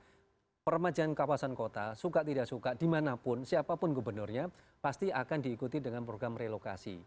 karena peremajaan kawasan kota suka tidak suka dimanapun siapapun gubernurnya pasti akan diikuti dengan program relokasi